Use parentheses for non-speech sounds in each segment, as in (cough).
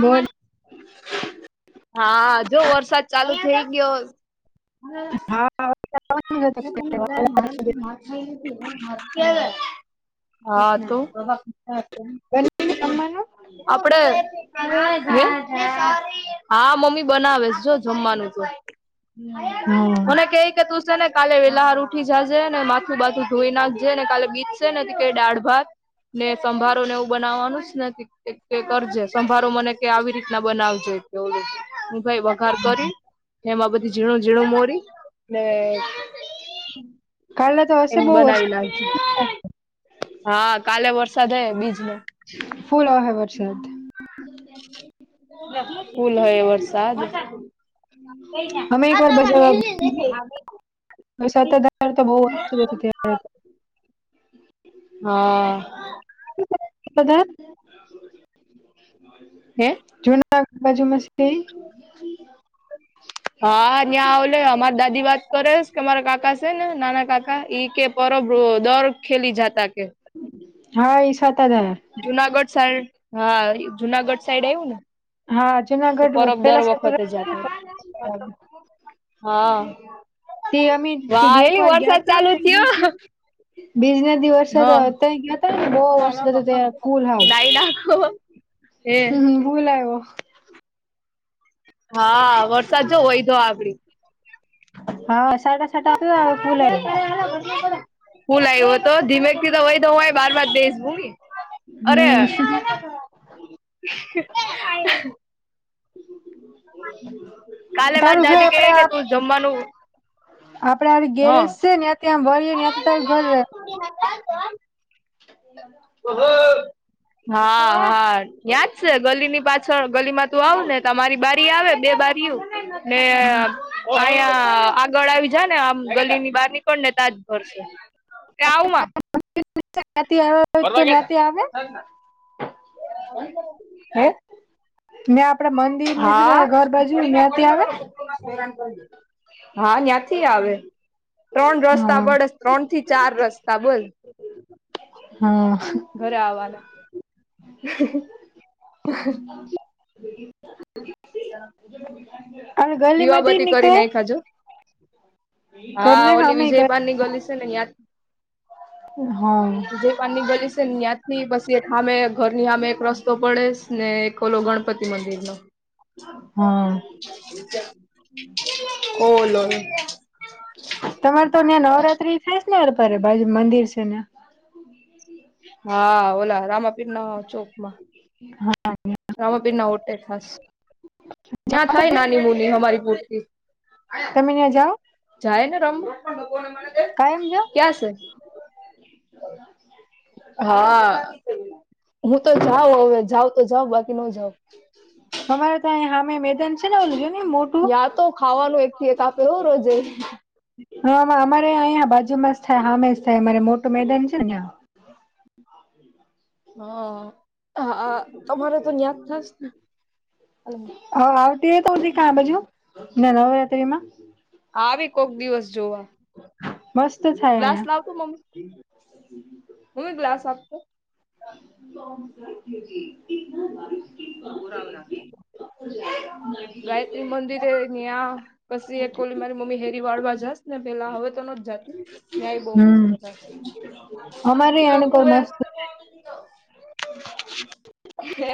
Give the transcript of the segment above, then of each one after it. બોલ? હા જો વરસાદ ચાલુ થઇ ગયો. હા આવવાનું છે તો (inaudible) હા તો બને જમવાનું આપડે (unintelligible) હા મમ્મી બનાવેસ જો જમવાનું તો. હા મને કે કે તું છે ને કાલે વેલાહાર ઉઠી જાજે ને માથું બાથું ધોઈ નાખજે ને કાલે ગીત સે ને કે ડાળ ભાત ને સંભારો ને એવું બનાવવાનું છે ને કરજે, સંભારો મનેકે આવી રી ના બનાવજે તો હું ભાઈ વઘાર કરી. એમાં બધી ઝીણું ઝીણું મોરી ને કાલ એમ બનાવી નાખજે. હા કાલે વરસાદ હે બીજનો ફૂલ ઓ હે વરસાદ. ફૂલ આયો વરસાદ!. અમે (unintelligible) સત્તાધાર તો બહુ હતુ. (unintelligible) હા પધ (inaudible) હે? જુના બાજુ મસ્ ઈ.? હા ન્યા ઓલે અમાર દાદી વાત કરે કે મારા કાકા છે ને નાના કાક એ કે પર બ્રો દર ખેલી જાતા કે હા ઈ સાતા રયા. જુનાગઢ સાઈડ હા જુનાગઢ સાઈડ આયવુ ને? હા જુનાગઢ પરબ દર પેલા વખતે સાતાધાર છે જાતો. ને, પછી હા તે અમે વાહ એક એલી વાર વરસાદ ગયા તા ચાલુ ને એક દિવસે થયો બીજ ના દિવસે હા ત્યા ગયાતા ને બહ વર્ષ બધું ત્યા ફૂલ હવ હે? હમ હ ફુલ આયવો હા વરસાદ જો વયધો આ ગડી હા સાટા સાટા અ આ ફૂલ આયવો. ફુલ આયવો તો ધીમેક થી તો હોય તો હું બાર બાર ટેસ બુ અરે! હમ કાલે મારી તારું ઘર દાદી કે આપડે કે તું જમવાનું આપડે હ હા ગેરેજ છે, ને ત વરીએ ને તારું ઘર તછ (inaudible) હા હા યાદ છે ગલી ની પાછળ ગલી માં તું આવ ને તમારી બારી આવે બે બારી ને હમ. અહિયાં આગળ આવી જા ને આ ગલી ની બહાર ની પણડતાજ ભર છે આવમાં. (unintelligible) ત્યાંથી ફરવા આવે લ્યા હતા હ મેં આપડાે મન હા. હા જ્યાંથી આવે. ત્રણ રસ્તા હા પડે ત્રણ થી ચાર રસ્તા બોલ. હા ઘરે આવવાના. (inaudible) અ અને ગલ્લીમાં એ ન કઈ. જો હા ઘરના ઓલી કામે વિજયપાન ની ગલી છે ને. હમ જે પાનની ગલી છે ને ત્યાં થી પછી એક ખમે ઘર ની આમે એક રસ્ તો પડે ને ખોલો ગણપતિ મંદિર નો. હા ઓલોહી. તમારે તો ત્યાં નવરાત્રી થાય નેપ બાજુ મંદિર છે ને. હા ઓલા રામાપીર ના ચોક માં. હા આમ પી ના હોટે ખસ. યાં થાય નાની મુની હમારી પૂરતી. તને જાઓ? જાય ને રમું કાયમ જાઓ ક્યાં છે? હા હું તો જાઉ હવે જાઉ તો જાઉ બ ન જાવ. અમારે તો હમે મેદન યા તો ખાવાનું એક થી એક આપે એવું રોજે. હા અમારે અહીંયા બાજુમાં જ થાય હામેશ થાય અમારે મોટું મેદાન છે નેં. હા હા તમારે તો ન્યાદ થ ને. હ આવતી તો ક બાજુ નવરાત્રીમાં. આવે કોક દિવસ જોવા. મસ્ત થાય. અહીંયા. ગ્લાસ લાવતો મમ્મી મમી ગ્લાસ આપતો. બ સર જજીી ન પુરા આવે રાખશે. (unintelligible) ગાયત્રી મંદિર ત્યાં પછી એક કોલી મારી મમ્મી હેરી વાળવા જસ ને પેલા હવે તો ન જતી. ત્યાંય બહ મસ્ત થ હમ અમારે ઈ લોકો આણકોર મસ્ત (inaudible) હે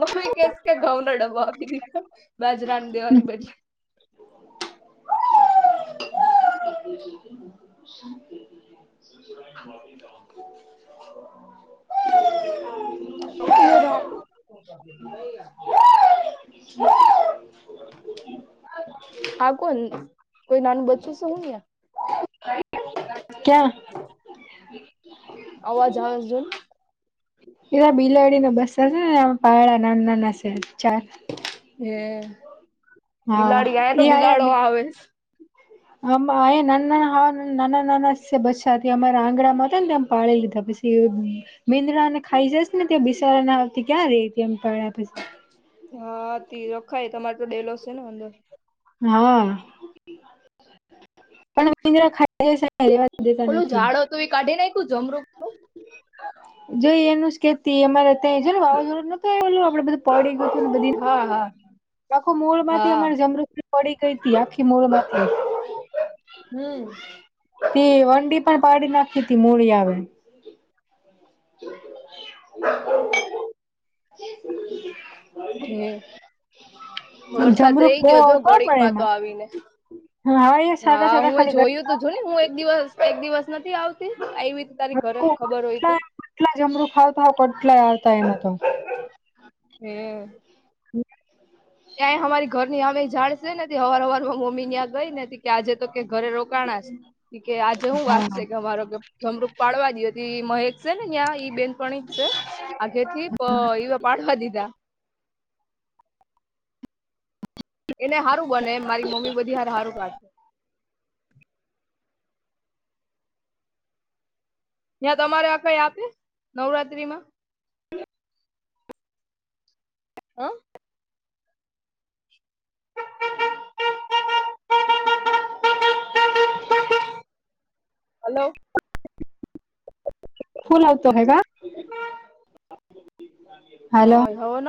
મમ્મી કેસ કે ઘઉ નો ડબ્બો આપી દીધો બાજરાની દેવાની બદલે (inaudible) (inaudible) શાંતિ (inaudible) કેરા આા કોણ કોઈ નાનું બચચું છે હું નહ ક્યા અવાજ આવાજન એ બિલાડી ન બસશે ને આ પાડા નાના નાના છે ચાર હ હા બિલાડી આ તો બિલાડો આવે આ અહીયા નાના નાના હ નાના નાના બાથી અમારા આંગણા માં હતા ને તેમ પાળી લીધા પછ મીંદડાને ખાઈ જસ ને ત્યા બિસારા આવતી ક્યાં રે ત એમ પડ્યા પછી હા તે રખાય તમારે તો ડેલો છે ને અંદર હા પણ મિન્દ્ર ખા સા રેવા દેતા ઓલું નથી ઝાડ હતું એ કાઢી નાખ્યું જમરૂું. જોઈ એનું જ કેતી અમારે છે વાવાઝોું નોતું એ ઓલું આપડેધું પડી ગયું ને બધ હા હા આખું મૂળ માંથી હા. અમારે જમૃસ પડી ગઈ ત આખી મૂળ માંથી હમ તે વંડી પણ પાડી નાખી મડી આવે હે (inaudible) વરસાદ જમરુક રહી બહ ગયો જો હોય તો ઘડીક પણડ માં તો એમાં આવીને. હા હવે સાધા સાદા ખાલી ગ જોુ ને હું એક દિવસ એક દિવસ નથી આવતી આવી તારી ઘરે ખબર હોય તો કેટલા જમરુ ખાવતા હો કેટલા આવતા એમાં તો હમ ત્યાં અમારી ઘર ની અમે જાડ નથી અવાર અવારમાં મા મમ્મી ત્યાં ગઈ નથી કે આજે તો ક ઘરે રોકાણ કે આજે હું વાત છે હા કે અમારો કે જમડુક પાડવા દ હતી મહેક છે ને ત્યાં બેન પણ જ છે આગે થી એવા પાડવા દીધા એને સારું બને મારી મમ્મી બધી સાર સારું કાઢશે ત્યાં તમારે આ કઈ આપે નવરાત્રી માં હ (inaudible) હલો ફૂલ આવતો હે ગ બ ન હવ